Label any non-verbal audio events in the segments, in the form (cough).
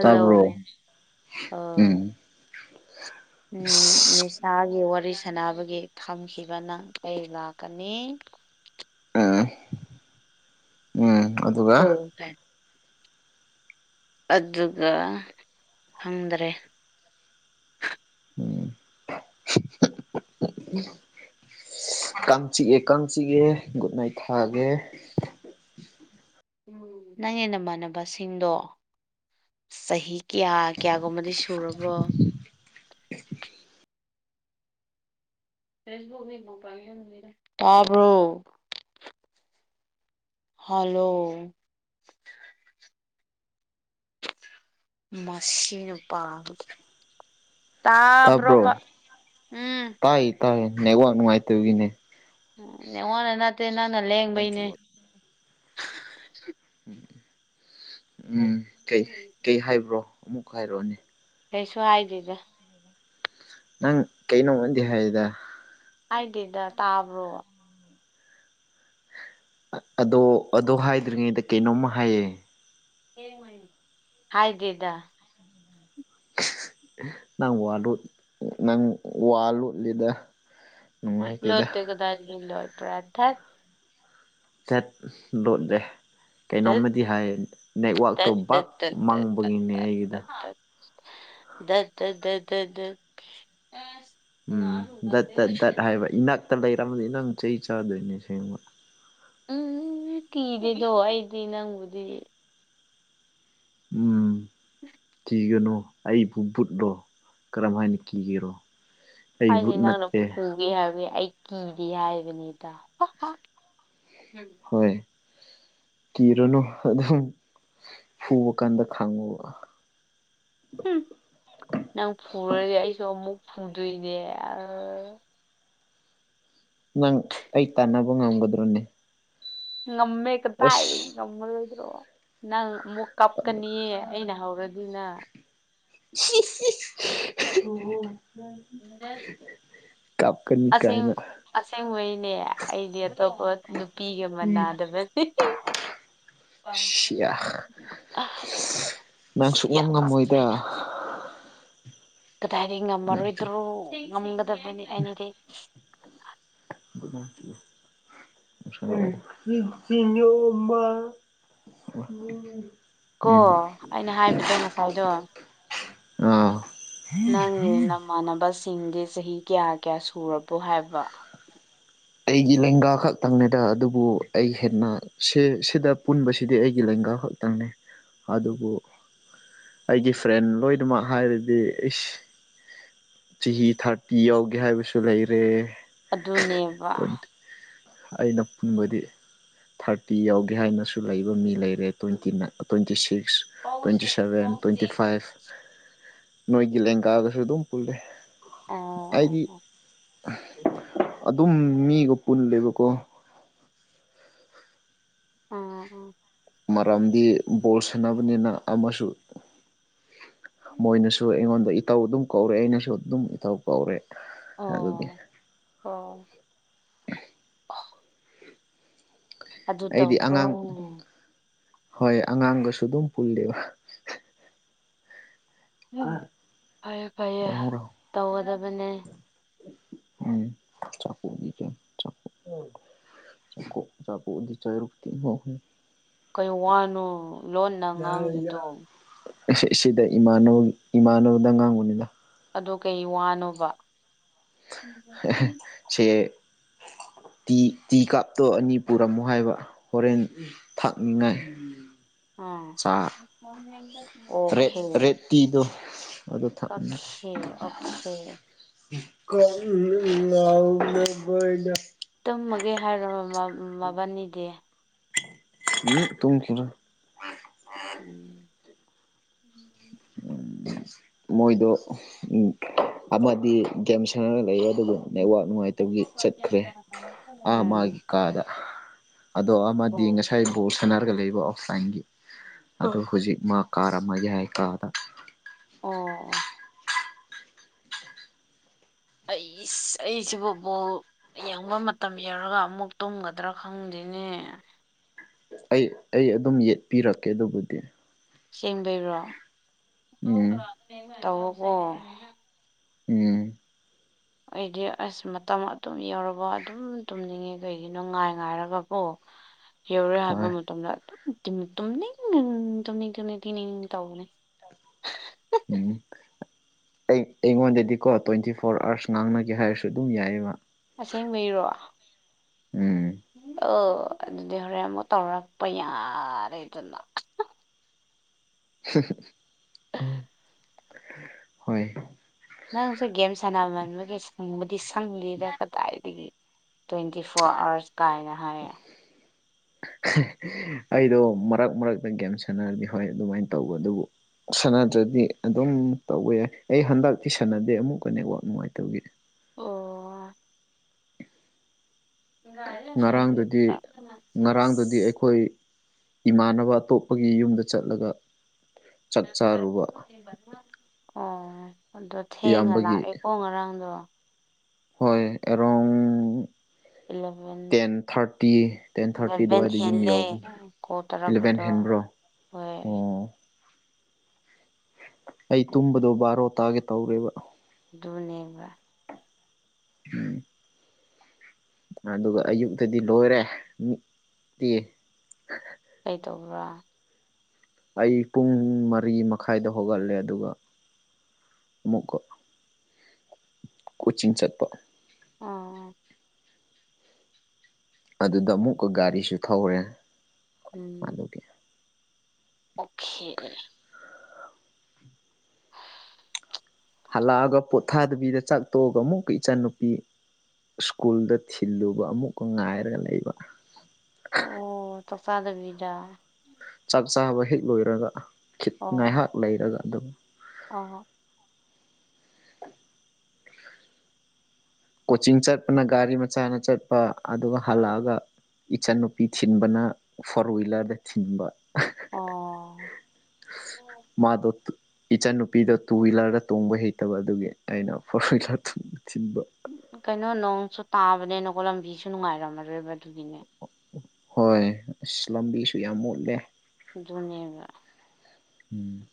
ꯇꯥꯕ꯭ꯔꯣ ꯑꯥ ꯎꯝ ꯑꯁ ꯅꯤꯁꯥꯒꯤ ꯋꯥꯔꯤ ꯁꯥꯟꯅꯕꯒꯤ ꯊꯝꯈꯤꯕ ꯅꯪ ꯆꯩ ꯂꯥꯛꯀꯅꯤ ꯎꯝ ꯎꯝ ꯑꯗꯨꯒ ꯑꯣ ꯐꯥꯏ ꯑꯗꯨꯒ ꯈꯪꯗ꯭ꯔꯦ ꯎꯝ ꯀꯥꯡ ꯆꯤꯛꯑꯦ ꯀꯥꯡ ꯆꯤꯛꯑꯦ ꯒꯨꯗ ꯅꯥꯏꯠ ꯊꯥꯒꯦ ꯎꯝ ꯅꯪꯒꯤ ꯅꯃꯥꯟꯅꯕꯁꯤꯡꯗꯣ ꯆꯍꯤ ꯀꯌꯥ ꯀꯌꯥꯒꯨꯝꯕꯗꯤ ꯁꯨꯔꯕꯣ ꯇꯥꯕ꯭ꯔꯣ ꯍꯜꯂꯣ ꯃꯁꯤꯅ ꯄꯥꯡꯝꯃꯤ ꯇꯥꯕ꯭ꯔꯣ ꯎꯝ ꯇꯥꯏ ꯇꯥꯏ ꯅꯦꯠꯋꯥꯛ ꯅꯨꯡꯉꯥꯏꯇꯕꯒꯤꯅꯦ ꯎꯝ ꯅ‌ꯦꯠꯋꯥꯛꯅ ꯅꯠꯇꯦ ꯅꯪꯅ ꯂꯦꯡꯕꯩꯅꯦ ꯎꯝ ꯎꯝ ꯀꯩ ꯀꯩ ꯍꯥꯏꯕ꯭ꯔꯣ ꯑꯃꯨꯛ ꯍꯥꯏꯔꯛꯑꯣꯅꯦ ꯀꯩꯁꯨ ꯍꯥꯏꯗꯦꯗ ꯅꯪ ꯀꯩꯅꯣꯃꯗꯤ ꯍꯥꯏꯗ ꯍꯥꯏꯗ‌ꯦꯗ ꯇꯥꯕ꯭ꯔꯣ ꯑꯗꯣ ꯑꯗꯨ ꯍꯥꯏꯗ꯭ꯔꯤꯉꯩꯗ ꯀꯩꯅꯣꯝꯃ ꯍꯥꯏꯌꯦ ꯍꯥꯏꯗꯦꯗ ꯅꯪ ꯋꯥꯗꯨ ꯅꯪ ꯋꯥꯂꯣꯠꯂꯤꯗ ꯂꯣꯠꯇ‌ꯦ ꯀꯗꯥꯏꯗꯒꯤ ꯂꯣꯠꯄꯔꯥ ꯊꯠ ꯆꯠ ꯂꯣꯠꯂꯦ ꯇꯠ ꯀꯩꯅꯣꯝꯃꯗꯤ ꯍꯥꯏꯌꯦ ꯅꯦꯠꯋꯥꯛꯇꯣ ꯇꯠ ꯕꯥꯛ ꯇꯠ ꯇꯠ ꯇꯠ ꯇꯠ ꯃꯪꯕꯒꯤꯅꯦ ꯇꯠ ꯑꯩꯒꯤꯗꫭ ꯇꯠ ꯗꯠ ꯗꯠ ꯗꯠ ꯗꯠ ꯗꯠ ꯎꯝ ꯗꯠ ꯇꯠ ꯗꯠ ꯍꯥꯏꯕ ꯏꯅꯥꯛꯇ ꯂꯩꯔꯝꯃꯗꯤ ꯅꯪ ꯆꯩ ꯆꯥꯗꯣꯏꯅꯦ ꯑꯁꯦꯡꯕ ꯎꯝ ꯀꯤꯗꯦꯗꯣ ꯑꯩꯗꯤ ꯅꯪꯕꯨꯗꯤ ꯎꯝ (inaudible) ꯀꯤꯒꯅꯣ ꯑꯩꯕꯨ ꯕꯨꯠꯂꯣ ꯀꯔꯝ ꯍꯥꯏꯅ ꯀꯤꯒꯦꯔꯣ ꯑꯩ ꯍꯥꯏꯗꯤ ꯕꯨꯠ ꯅꯪꯅ ꯅꯠꯇꯦ ꯐꯨ ꯒꯦ ꯍꯥꯏꯕꯒꯤ ꯑꯩ ꯀꯤꯗꯦ ꯍꯥꯏꯕꯅꯤꯗ ꯍꯥ ꯍꯥ ꯍꯣꯏ ꯀꯤꯔꯨꯅꯨ ꯑꯗꯨꯝ ꯐꯨꯕ ꯀꯥꯟꯗ ꯈꯪꯉꯨꯕ ꯍꯨꯝ ꯅꯪ ꯐꯨꯔꯗꯤ ꯑꯩꯁꯨ ꯑꯃꯨꯛ ꯐꯨꯗꯣꯏꯅꯦ ꯑ ꯅꯪ ꯑꯩ ꯇꯥꯟꯅꯕ ꯉꯝꯒꯗ꯭ꯔꯣꯅꯦ ꯉꯝꯃꯦ ꯀꯇꯥꯏꯗꯒꯤ ꯑꯁ ꯉꯝꯃꯔꯣꯏꯗ꯭ꯔꯣ ꯅꯪ ꯑꯃꯨꯛ ꯀꯞꯀꯅꯤꯌꯦ ꯑꯩꯅ ꯍꯧꯔꯗꯤꯅ ꯁꯤꯏꯁ ꯏꯁ (unintelligible) ꯀꯞꯀꯅꯤ ꯑꯁꯦꯡ ꯀꯥꯏꯅ ꯑꯁꯦꯡꯕꯩꯅꯦ ꯑꯩꯗꯤ ꯑꯇꯣꯞꯄ ꯅꯨꯄꯤꯒ ꯃꯥꯟꯅꯗꯕ ꯁꯤꯌꯥ ꯑ ꯅꯪ ꯁꯤ ꯁꯨꯛꯉꯝ ꯌꯥꯝ ꯉꯝꯃꯣꯏꯗ ꯍꯥꯏꯅ ꯀꯗꯥꯏꯗꯩ ꯅꯪꯁꯨ ꯉꯝꯃꯔꯣꯏꯗ꯭ꯔꯣ ꯉꯝꯒꯗꯕꯅꯤ ꯑꯩꯅꯗꯤ (unintelligible) (unintelligible) ꯀꯣ ꯑꯩꯅ ꯍꯥꯏꯕꯗꯣ ꯉꯁꯥꯏꯗꯣ ꯑꯥ ꯅꯪꯒꯤ ꯅꯃꯥꯟꯅꯕꯁꯤꯡꯒꯤ ꯆꯍꯤ ꯀꯌꯥ ꯀꯌꯥ ꯁꯨꯔꯕꯣ ꯍꯥꯏꯕ ꯑꯩꯒꯤ ꯂꯦꯡꯒꯥ ꯈꯛꯇꯪꯅꯦꯗ ꯑꯗꯨꯕꯨ ꯑꯩ ꯍꯦꯟꯅ ꯁꯦ ꯁꯤꯗ ꯄꯨꯟꯕꯁꯤꯗꯤ ꯑꯩꯒꯤ ꯂꯦꯡꯒꯥ ꯈꯛꯇꯪꯅꯤ ꯑꯗꯨꯕꯨ ꯑꯩꯒꯤ ꯐ꯭ꯔꯦꯟ ꯂꯣꯏꯅꯃꯛ ꯍꯥꯏꯔꯗꯤ ꯏꯁ ꯆꯍꯤ ꯊꯥꯔꯇꯤ ꯌꯧꯒꯦ ꯍꯥꯏꯕꯁꯨ ꯂꯩꯔꯦ ꯑꯗꯨꯅꯦꯝ ꯇ꯭ꯋꯦꯟꯇꯤ ꯑꯩꯅ ꯄꯨꯟꯕꯗꯤ ꯊꯥꯔꯇꯤ ꯌꯧꯒꯦ ꯍꯥꯏꯅꯁꯨ ꯂꯩꯕ ꯃꯤ ꯂꯩꯔꯦ ꯇ꯭ꯋꯦꯟꯇꯤꯅꯥꯏ ꯇ꯭ꯋꯦꯟꯇꯤ ꯁꯤꯛꯁ ꯇ꯭ꯋꯦꯟꯇꯤ ꯄꯧꯁꯤꯡ ꯁꯚꯦꯟ ꯇ꯭ꯋꯦꯟꯇꯤ ꯄꯧꯁꯤꯡ ꯐꯥꯏꯚ ꯅꯣꯏꯒꯤ ꯂꯦꯡꯒꯥꯒꯁꯨ ꯑꯗꯨꯝ ꯄꯨꯜꯂꯦ ꯑꯣ ꯑꯩꯗꯤ ꯑꯣ ꯑꯣ ꯇꯨꯝ ꯃꯤꯒ ꯄꯨꯜꯂꯦꯕꯀꯣ ꯑꯥ ꯑꯥ ꯃꯔꯝꯗꯤ ꯕꯣꯜ ꯁꯥꯟꯅꯕꯅꯤꯅ ꯑꯃꯁꯨ ꯃꯣꯏꯅ ꯁꯨ ꯑꯩꯉꯣꯟꯗ ꯏꯇꯥꯎ ꯑꯗꯨꯝ ꯀꯧꯔꯦ ꯑꯩꯅꯁꯨ ꯑꯗꯨꯝ ꯏꯇꯥꯎ ꯀꯧꯔꯦ ꯑꯗꯨꯒꯤ ꯑꯣ ꯑꯣ ꯑꯗꯨ ꯑꯩꯗꯤ ꯑꯉꯥꯡ ꯇꯧꯕ꯭ꯔꯣ ꯍꯣꯏ ꯑꯉꯥꯡꯒꯁꯨ ꯑꯗꯨꯝ ꯄꯨꯜꯂꯤꯕ (unintelligible) ꯐꯩꯌꯦ ꯐꯩꯌꯦ ꯇꯧꯒꯗꯕꯅꯦ ꯎꯝ (unintelligible) (unintelligible) ꯀꯩ ꯋꯥꯅꯣ ꯂꯣꯟꯅ ꯉꯥꯡꯂꯤꯗꯣ ꯑꯁꯤ ꯁꯤꯗ ꯏꯃꯥꯟꯅꯕꯒꯤ ꯏꯃꯥꯟꯅꯕꯗ ꯉꯥꯡꯕꯅꯤꯗ ꯑꯗꯣ ꯀꯩ ꯋꯥꯅꯣꯕ ꯆꯦ ꯇꯤ ꯇꯤꯀꯥꯞꯇꯣ ꯑꯅꯤ ꯄꯨꯔꯝꯃꯣ ꯍꯥꯏꯕ ꯍꯣꯔꯦꯟ ꯊꯥꯛꯅꯤꯉꯥꯏ ꯑꯥ (unintelligible) ꯇ꯭ꯔꯦꯠ ꯔꯦꯠꯇꯤꯗꯣ ꯑꯗꯨ ꯊꯛꯅꯤꯡꯉꯤ ꯑꯣꯈꯦ ꯑꯣꯈꯦ (unintelligible) ꯇꯨꯝꯃꯒꯦ ꯍꯥꯏꯔꯣ ꯕ ꯃꯕꯥꯟꯅꯤꯗꯤ ꯎꯝ ꯇꯨꯝꯈꯤꯔꯣꯏ ꯎꯝ (inaudible) ꯃꯣꯏꯗꯣ ꯎꯝ ꯑꯃꯗꯤ ꯒꯦꯝ ꯁꯦꯅꯔ ꯂꯩꯌꯦ ꯑꯗꯨꯕꯨ ꯅꯦꯋꯥꯛ ꯅꯨꯡꯉꯥꯏꯇꯕꯒꯤ ꯆꯠꯈ꯭ꯔꯦ ꯑꯥ ꯃꯥꯒꯤ ꯎꯝ. ꯀꯥꯗ ꯑꯗꯣ ꯑꯃꯗꯤ ꯑꯣ ꯉꯁꯥꯏ ꯕꯣꯜ ꯁꯥꯟꯅꯔꯒ ꯂꯩꯕ ꯑꯣꯐꯂꯥꯏꯟꯒꯤ ꯑꯗꯣ ꯑꯣ ꯍꯨꯖꯤꯛ ꯃꯥ ꯀꯥꯔꯝꯃꯒꯦ ꯍꯥꯏ ꯀꯥꯗ ꯑꯣ ꯑꯣ ꯑꯩꯁ ꯑꯩꯁꯤꯕꯨ ꯕꯣꯜ ꯌꯦꯡꯕ ꯃꯇꯝ ꯌꯧꯔꯒ ꯑꯃꯨꯛ ꯇꯨꯝꯒꯗ꯭ꯔꯥ ꯈꯪꯗꯦꯅꯦ ꯑꯩ ꯑꯩ ꯑꯗꯨꯝ ꯌꯦꯠꯄꯤꯔꯛꯀꯦ ꯑꯗꯨꯕꯨꯗꯤ ꯑꯆꯦꯡꯕꯩꯔꯣ ꯎꯝ ꯇꯧꯑꯣꯀꯣ ꯎꯝ ꯑꯩꯗꯤ ꯑꯁ ꯃꯇꯝ ꯑꯗꯨꯝ ꯌꯧꯔꯕ ꯑꯗꯨꯝ ꯇꯨꯝꯅꯤꯡꯉꯤ ꯀꯩꯒꯤꯅꯣ ꯉꯥꯏ ꯉꯥꯏꯔꯒꯀꯣ (inaudible) ꯌꯧꯔꯦ ꯍꯥꯏꯕ ꯍꯣꯏ ꯃꯇꯝꯗ ꯑꯗꯨꯝ ꯇꯤꯝ ꯇꯨꯝꯅꯤꯡ ꯇꯨꯝꯅꯤꯡ ꯇꯨꯝꯅꯤꯡ ꯇꯤꯅꯤꯡ ꯇꯧꯕꯅꯤꯅꯦ ꯎꯝ (inaudible) ꯑꯩ ꯑꯩꯉꯣꯟꯗꯗꯤꯀꯣ ꯇ꯭ꯋꯦꯟꯇꯤ ꯐꯣꯔ ꯑꯥꯋ꯭ꯔꯁ ꯉꯥꯡꯅꯒꯦ ꯍꯥꯏꯔꯁꯨ ꯑꯗꯨꯝ ꯌꯥꯏꯌꯦꯕ ꯑꯁꯦꯡꯕꯩꯔꯣ ꯎꯝ ꯑꯣ ꯑꯗꯨꯗꯤ ꯍꯣꯔꯦꯟ ꯑꯃꯨꯛ ꯇꯧꯔꯛꯄ ꯌꯥꯔꯦꯗꯅ (unintelligible) ꯍꯣꯏ ꯅꯪꯁꯨ ꯒꯦꯝ ꯁꯥꯟꯅꯃꯟꯕꯒꯤ ꯁꯪꯕꯗꯤ ꯁꯪꯗꯦꯗ ꯀꯗꯥꯏꯗꯒꯤ ꯇ꯭ꯋꯦꯟꯇꯤ ꯐꯣꯔ ꯑꯥꯋ꯭ꯔꯁ ꯀꯥꯏꯅ ꯍꯥꯏꯌꯦ ꯑꯩꯗꯣ ꯃꯔꯛ ꯃꯔꯛꯇ ꯒꯦꯝ ꯁꯥꯟꯅꯔꯗꯤ ꯍꯣꯏ ꯑꯗꯨꯃꯥꯏꯅ ꯇꯧꯕ ꯑꯗꯨꯕꯨ ꯁꯥꯟꯅꯗ꯭ꯔꯗꯤ ꯑꯗꯨꯝ ꯇꯧꯋꯦ ꯑꯩ ꯍꯟꯗꯛꯇꯤ ꯁꯥꯟꯅꯗꯦ ꯑꯃꯨꯛꯀ ꯅꯦꯠꯋꯥꯛ ꯅꯨꯡꯉꯥꯏꯇꯕꯒꯤ ꯑꯣ ꯉꯔꯥꯡꯗꯨꯗꯤ ꯉꯔꯥꯡꯗꯨꯗꯤ (unintelligible) ꯑꯩꯈꯣꯏ ꯏꯃꯥꯟꯅꯕ ꯑꯇꯣꯞꯄꯒꯤ ꯌꯨꯝꯗ ꯆꯠꯂꯒ ꯆꯥꯛ ꯆꯥꯔꯨꯕ (unintelligible) ꯑꯣ ꯑꯗꯣ ꯊꯦꯡꯅ ꯏꯌꯥꯝꯕꯒꯤ ꯂꯥꯛꯑꯦꯀꯣ ꯉꯔꯥꯡꯗꯣ ꯍꯣꯏ ꯑꯦꯔꯣꯡ eleven ten thirty ten thirty eleven ꯑꯗꯨꯋꯥꯏꯗ ꯌꯨꯝ ꯍꯦꯜꯂꯦ ꯌꯧꯕꯅꯤ ꯀꯣꯜ ꯇꯧꯔꯛꯄꯗꯣ ꯍꯣꯏ ꯑꯣ ꯑꯩ ꯇꯨꯝꯕꯗꯣ ꯕꯥꯔꯣ ꯇꯥꯒꯦ ꯇꯧꯔꯦꯕ ꯗꯨꯨꯅꯦꯕ (inaudible) ꯑꯗꯨꯒ ꯑꯌꯨꯛꯇꯗꯤ ꯂꯣꯏꯔꯦ ꯃꯤꯠ ꯇꯤ ꯀꯩ ꯇꯧꯕ꯭ꯔꯥ? ꯑꯩ ꯄꯨꯡ ꯃꯔꯤ ꯃꯈꯥꯏꯗ ꯍꯧꯒꯠꯂꯦ ꯑꯗꯨꯒ ꯑꯃꯨꯛꯀꯥ ꯀꯣꯏꯆꯤꯡ ꯆꯠꯄ (unintelligible) ꯑꯗꯨꯗ ꯑꯃꯨꯛꯀ ꯒꯥꯔꯤꯁꯨ ꯊꯧꯔꯦ ꯎꯝ ꯑꯗꯨꯒꯤ ꯑꯣꯛꯈꯦ ꯍꯥꯜꯂꯛꯑꯒ ꯄꯣꯊꯥꯗꯕꯤꯗ ꯆꯥꯛ ꯇꯣꯛꯑꯒ ꯑꯃꯨꯛꯀ ꯏꯆꯟꯅꯨꯄꯤ ꯁ꯭ꯀꯨꯜꯗ ꯊꯤꯜꯂꯨꯕ ꯑꯃꯨꯛꯀ ꯉꯥꯏꯔꯒ ꯂꯩꯕ ꯑꯣ ꯆꯥꯛ ꯆꯥꯗꯕꯤꯗ? ꯆꯥꯛ ꯆꯥꯕ ꯍꯦꯛ ꯂꯣꯏꯔꯒ ꯈꯤꯠ ꯉꯥꯏꯍꯥꯛ ꯂꯩꯔꯒ ꯑꯗꯨꯝ ꯑꯣ ꯑꯣ (unintelligible) ꯀꯣꯆꯤꯡ ꯆꯠꯄꯅ ꯒꯥꯔꯤ ꯃꯆꯥꯅ ꯆꯠꯄ ꯑꯗꯨꯒ ꯍꯜꯂꯛꯑꯒ ꯏꯆꯟꯅꯨꯄꯤ ꯊꯤꯟꯕꯅ ꯐꯣꯔ ꯋꯤꯂꯔꯗ ꯊꯤꯟꯕ ꯑꯣ ꯃꯥꯗꯣ ꯇꯨꯠ ꯏꯆꯟꯅꯨꯄꯤꯗꯣ ꯇꯨ ꯋꯤꯂꯔꯗ ꯇꯣꯡꯕ ꯍꯩꯇꯕ ꯑꯗꯨꯒꯤ ꯑꯩꯅ ꯐꯣꯔ ꯋꯤꯂꯔ ꯇꯨ ꯊꯤꯟꯕ ꯀꯩꯅꯣ ꯅꯣꯡꯁꯨ ꯇꯥꯕꯅꯦꯅ ꯀꯣ ꯂꯝꯕꯤꯁꯨ ꯅꯨꯡꯉꯥꯏꯔꯝꯃꯔꯣꯏꯕ ꯑꯗꯨꯒꯤꯅꯦ ꯍꯣꯏ ꯑꯁ ꯂꯝꯕꯤꯁꯨ ꯌꯥꯝ ꯃꯣꯠꯂꯦ ꯗꯨꯅꯦꯕ ꯎꯝ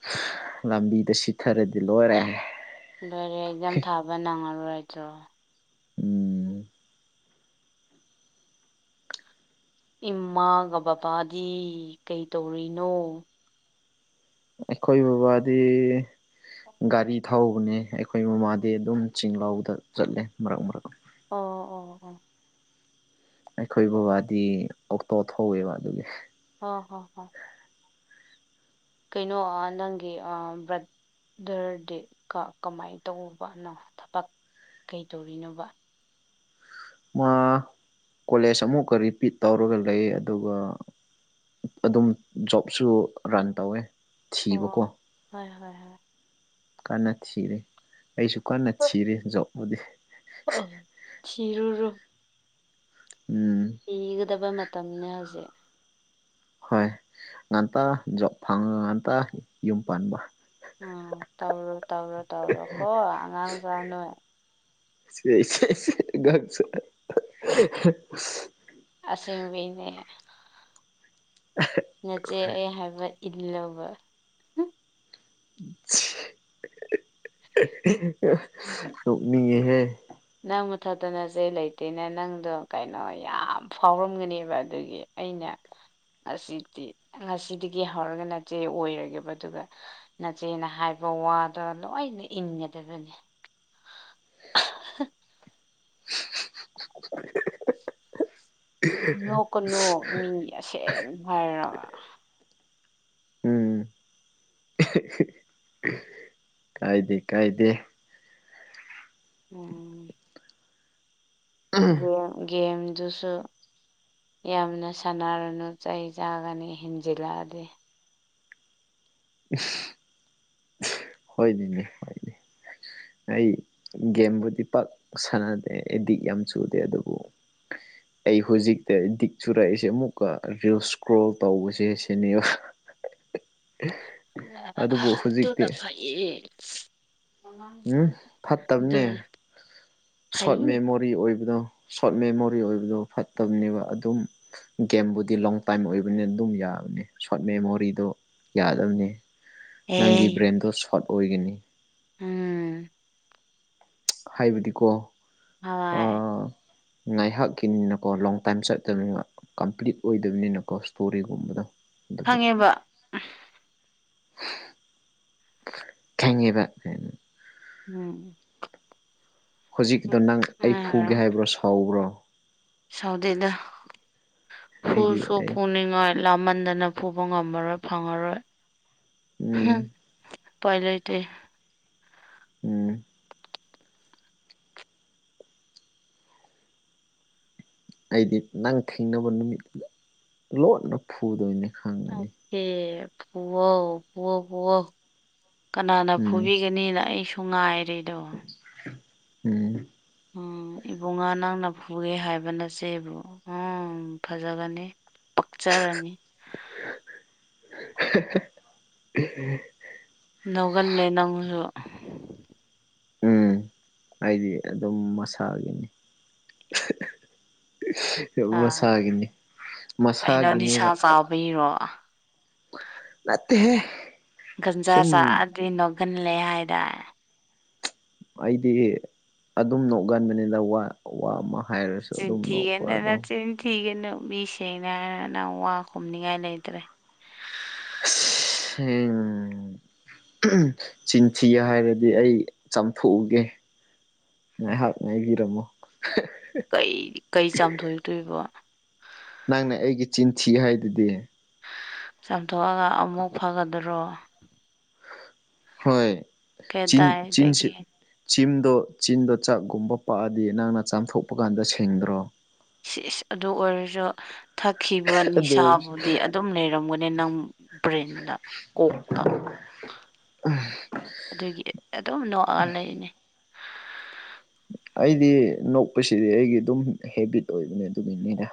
(unintelligible) ꯂꯝꯕꯤꯗ ꯁꯤꯠꯊꯥꯔꯗꯤ ꯂꯣꯏꯔꯦ ꯂꯣꯏꯔꯦ ꯑꯦꯛꯖꯥꯝ ꯊꯥꯕ ꯅꯪꯉꯔꯣꯏ ꯆꯣ ꯎꯝ ꯏꯃꯥꯒ ꯕꯥꯕꯥꯗꯤ ꯀꯩꯇꯧꯔꯤꯅꯣ? ꯑꯩꯈꯣꯏ ꯕꯥꯕꯥꯗꯤ ꯒꯥꯔꯤ ꯊꯧꯕꯅꯦ ꯑꯩꯈꯣꯏ ꯃꯥꯃꯥꯗꯤ ꯑꯗꯨꯝ ꯆꯤꯡ ꯂꯧꯗ ꯆꯠꯂꯦ ꯃꯔꯛ ꯃꯔꯛ ꯑꯣ ꯑꯣ ꯑꯣ ꯑꯩꯈꯣꯏ ꯕꯕꯥꯗꯤ ꯑꯣꯛꯇꯣ ꯊꯧꯋꯦꯕ ꯑꯗꯨꯒꯤ ꯍꯣ ꯍꯣ ꯍꯣ ꯀꯩꯅꯣ ꯑꯥ ꯅꯪꯒꯤ ꯑꯥ ꯕ꯭ꯔꯠ ꯗꯔꯗꯤ ꯀꯥ ꯀꯃꯥꯏ ꯇꯧꯕ ꯅꯣ ꯊꯕꯛ ꯀꯩꯇꯧꯔꯤꯅꯣꯕ? ꯃꯥ ꯀꯣꯂꯦꯖ ꯑꯃꯨꯛꯀ ꯔꯤꯄꯤꯠ ꯇꯧꯔꯒ ꯂꯩꯌꯦ ꯑꯗꯨꯒ ꯑꯗꯨꯝ ꯖꯣꯕꯁꯨ ꯔꯟ ꯇꯧꯋꯦ ꯊꯤꯕꯀꯣ ꯑꯣ ꯍꯣꯏ ꯍꯣꯏ ꯍꯣꯏ ꯀꯟꯅ ꯊꯤꯔꯤ ꯑꯩꯁꯨ ꯀꯟꯅ ꯊꯤꯔꯤ ꯖꯣꯕꯄꯨꯗꯤ (unintelligible) ꯊꯤꯔꯨꯔꯣ ꯎꯝ ꯏꯒꯗꯕ ꯃꯇꯝꯅꯦ ꯍꯧꯖꯤꯛ ꯍꯣꯏ ꯉꯟꯇꯥ ꯖꯣꯕ ꯐꯪꯉꯒ ꯉꯟꯇꯥ ꯌꯨꯝ ꯄꯥꯟꯕ (unintelligible) ꯇꯧꯔꯨꯔꯣ ꯇꯧꯔꯣ ꯇꯧꯔꯣ ꯀꯣ ꯑꯉꯥꯡꯁꯥ ꯅꯣꯏ ꯁꯤꯁ ꯁꯤꯁ ꯁꯤꯠ ꯑꯉꯥꯡꯁꯥ (unintelligible) ꯑꯁꯦꯡꯕꯒꯤꯅꯦ ꯅꯆꯦ ꯑꯩ ꯍꯥꯏꯕ ꯏꯜꯂꯧꯕ ꯅꫭꯛꯅꯤꯡꯉꯦ ꯍꯦ꯫ ꯅꯪ ꯃꯊꯛꯇ ꯅꯆꯦ ꯂꯩꯇꯦꯅ ꯅꯪꯗꯣ ꯀꯩꯅꯣ ꯌꯥꯝ ꯐꯥꯎꯔꯝꯒꯅꯤꯕ ꯑꯗꯨꯒꯤ꯫ ꯑꯩꯅ ꯑꯁꯤꯗꯤ ꯉꯁꯤꯗꯒꯤ ꯍꯧꯔꯒ ꯅꯆꯦ ꯑꯣꯏꯔꯒꯦꯕ ꯑꯗꯨꯒ ꯅꯆꯦꯅ ꯍꯥꯏꯕ ꯋꯥꯗꯣ ꯂꯣꯏꯅ ꯏꯪꯒꯗꯕꯅꯤ꯫ (unintelligible) ꯅꯣꯛꯀꯅꯨ ꯃꯤ ꯑꯁꯦꯡ ꯍꯥꯏꯔꯒ꯫ (inaudible) ꯀꯥꯏꯗꯦ-ꯀꯥꯏꯗꯦ꯫ ꯎꯝ꯫ ꯒꯦꯝ ꯒꯦꯝꯗꯨꯁꯨ ꯌꯥꯝꯅ ꯁꯥꯟꯅꯔꯅꯨ ꯆꯩ ꯆꯥꯒꯅꯤ ꯍꯦꯟꯖꯤꯜꯂꯛꯑꯗꯤ꯫ (unintelligible) ꯍꫭꯏꯅꯤꯅꯦ ꯑꯩ ꯒꯦꯝꯕꯨꯗꯤ ꯄꯥꯛ ꯁꯥꯟꯅꯗꯦ ꯑꯦꯗꯤꯛ ꯌꯥꯝ ꯆꯨꯗꯦ ꯑꯗꯨꯕꯨ ꯑꯩ ꯍꯧꯖꯤꯛꯇ ꯗꯤꯛ ꯆꯨꯔꯛꯏꯁꯦ ꯑꯃꯨꯛꯀ ꯔꯤꯜ ꯏꯁꯀ꯭ꯔꯣꯜ ꯇꯧꯕꯁꯦ ꯁꯤꯅꯦꯕ꯫ ꯑꯗꯨꯕꯨ ꯍꯧꯖꯤꯛꯇꯤ (inaudible) ꯎꯝ ꯐꯠꯇꯕꯅꯦ ꯑꯗꯨꯅ ꯁꯣꯔꯠ ꯐꯩ ꯃꯦꯃꯣꯔꯤ ꯑꯣꯏꯕꯗꯣ꯫ ꯁꯣꯔꯠ ꯃꯦꯃꯣꯔꯤ ꯑꯣꯏꯕꯗꯣ ꯐꯠꯇꯕꯅꯦꯕ ꯑꯗꯨꯝ ꯒꯦꯝꯕꯨꯗꯤ ꯂꯣꯡ ꯇꯥꯏꯝ ꯑꯣꯏꯕꯅꯤꯅ ꯑꯗꯨꯝ ꯌꯥꯕꯅꯦ ꯁꯣꯔꯠ ꯃꯦꯃꯣꯔꯤꯗꯣ ꯌꯥꯗꯕꯅꯤ꯫ ꯅꯪꯒꯤ ꯑꯦ ꯕ꯭ꯔꯦꯟꯗꯣ ꯁꯣꯔꯠ ꯑꯣꯏꯒꯅꯤ꯫ ꯎꯝ꯫ ꯍꯥꯏꯕꯗꯤꯀꯣ ꯍꯥꯏ꯫ ꯉꯥꯏꯍꯥꯛꯀꯤꯅꯤꯅꯀꯣ ꯂꯣꯡ ꯇꯥꯏꯝ ꯆꯠꯇꯕꯅꯤꯅ ꯀꯝꯄ꯭ꯂꯤꯠ ꯑꯣꯏꯗꯕꯅꯤꯅꯀꯣ ꯁ꯭ꯇꯣꯔꯤꯒꯨꯝꯕꯗꯣ꯫ (unintelligible) ꯈꯪꯉꯦꯕ (inaudible) ꯎꯝ꯫ ꯍꯧꯖꯤꯛꯗꯣ ꯅꯪ ꯑꯩ ꯐꯨꯒꯦ ꯍꯥꯏꯕ꯭ꯔꯣ ꯁꯥꯎꯕ꯭ꯔꯣ꯫ ꯁꯥꯎꯗꯤꯗ ꯑꯩꯗꯤ ꯐꯨꯁꯨ ꯑꯩ ꯐꯨꯅꯤꯡꯉꯥꯏ ꯂꯥꯃꯟꯗꯅ ꯐꯨꯕ ꯉꯝꯃꯔꯣꯏ ꯐꯪꯉꯔꯣꯏ꯫ ꯎꯝ ꯄꯥꯏ ꯂꯩꯇꯦ꯫ ꯎꯝ꯫ ꯑꯩꯗꯤ ꯅꯪ ꯊꯦꯡꯅꯕ ꯅꯨꯃꯤꯠꯇꯨꯗ ꯂꯣꯠꯅ ꯐꯨꯗꯣꯏꯅꯦ ꯈꯪ ꯑꯥꯎꯀꯦ ꯐꯨꯋꯣ ꯐꯨꯋꫭ ꯄꯨꯋꯣ꯫ ꯀꯅꯥꯅ ꯎꯝ ꯐꯨꯕꯤꯒꯅꯤꯅ ꯑꯩꯁꯨ ꯉꯥꯏꯔꯤꯗꯣ꯫ ꯎꯝ꯫ ꯎꯝ ꯏꯕꯨꯡꯉꯥ ꯅꯪꯅ ꯐꯨꯔꯦ ꯍꯥꯏꯕ ꯅꯆꯦꯕꯨ ꯎꯪ꯫ ꯎꯝ ꯐꯖꯒꯅꯤ ꯄꯛꯆꯔꯅꯤ꯫ (unintelligible) (unintelligible) ꯂꯧꯒꯜꯂꯦ ꯅꯪꯁꯨ꯫ ꯎꯝ ꯑꯩꯗꯤ ꯑꯗꯨꯝ ꯃꯁꯥꯒꯤꯅꯤ꯫ ꯑꯥ ꯃꯁꯥꯒꯤꯅꯤ ꯀꯩꯅꯣ ꯅꯤꯁꯥ ꯃꯁꯥꯒꯤꯅꯦꯕ꯫ (unintelligible) ꯅꯠꯇꯦꯍꯦ꯫ ꯒꯟꯖꯥ ꯁꯨꯝ ꯆꯥꯑꯗꯤ ꯅꯣꯛꯒꯜꯂꯦ ꯍꯥꯏꯗꯥꯏ ꯃꯥꯏꯗꯤꯒꯤ ꯑꯗꯨꯝ ꯅꯣꯛꯒꯟꯕꯅꯤꯗ ꯋꯥ ꯋꯥ ꯑꯃ ꯍꯥꯏꯔꯁꯨ ꯑꯗꯨꯝ ꯅꯣꯛꯄ ꯆꯤꯟꯊꯤꯒꯅꯨ ꯑꯗꯣ ꯅꯆꯤꯟ ꯊꯤꯒꯅꯨ ꯃꯤ ꯁꯦꯡꯅ ꯍꯥꯏꯔ ꯅꯪ ꯋꯥ ꯈꯨꯝꯅꯤꯡꯉꯥꯏ ꯂꯩꯇ꯭ꯔꯦ ꯁꯦꯡ ꯎꯝ ꯎꯝ ꯆꯤꯟꯊꯤ ꯍꯥꯏꯔꯗꯤ ꯑꯩ ꯆꯥꯝꯊꯣꯛꯎꯒꯦ ꯉꯥꯏꯍꯥꯛ ꯉꯥꯏꯕꯤꯔꯝꯃꯣ ꯀꯩꯗꯤ ꯀꯩ ꯆꯥꯝꯊꯣꯢꯇꯣꯏꯕ ꯅꯪꯅ ꯑꯩꯒꯤ ꯆꯤꯟ ꯊꯤ ꯍꯥꯏꯗꯨꯗꯤ ꯍ ꯆꯥꯝꯊꯣꯛꯑꯒ ꯑꯃꯨꯛ ꯐꯒꯗ꯭ꯔꯣ ꯍꯣꯏ ꯆꯤꯟ ꯆꯤꯟ ꯁꯤ ꯀꯗꯥꯏꯗꯒꯤ ꯆꯤꯝꯗꯣ ꯆꯤꯟꯗꯣ ꯆꯥꯛꯒꯨꯝꯕ ꯄꯛꯑꯗꯤ ꯅꯪꯅ ꯆꯥꯝꯊꯣꯛꯄꯀꯥꯟꯗ ꯁꯦꯡꯗ꯭ꯔꯣ ꯁꯤꯁ ꯑꯗꯨ ꯑꯣꯏꯔꯁꯨ ꯊꯛꯈꯤꯕ ꯑꯗꯨ ꯑꯣꯏꯔꯁꯨ ꯅꯤꯁꯥꯕꯨꯗꯤ ꯑꯗꯨꯝ ꯂꯩꯔꯝꯒꯅꯤ ꯅꯪ ꯕ꯭ꯔꯦꯟꯗ ꯀꯣꯛꯇ ꯑꯗꯨꯒꯤ ꯑꯗꯨꯝ ꯅꯣꯛꯑꯒ ꯂꯩꯔꯤꯅꯦ ꯑꯩꯗꯤ ꯅꯣꯛꯄꯁꯤꯗꯤ ꯑꯩꯒꯤ ꯑꯗꯨꯝ ꯍꯦꯕꯤꯠ ꯑꯣꯏꯕꯅꯦ ꯑꯗꯨꯒꯤꯅꯤꯗ